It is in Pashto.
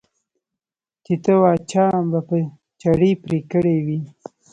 چې ته وا چا به په چړې پرې کړي وي.